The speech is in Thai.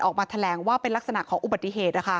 ออกมาแถลงว่าเป็นลักษณะของอุบัติเหตุ